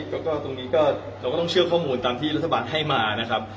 แล้วก็ตรงนี้ก็เราก็ต้องเชื่อข้อมูลตามที่รัฐบาลให้มานะครับ